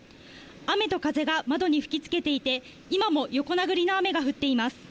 雨と風が窓に吹きつけていて、今も横殴りの雨が降っています。